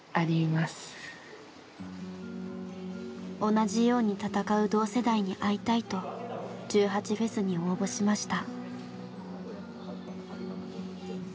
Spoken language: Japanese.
同じように闘う同世代に会いたいと１８祭に応募しました。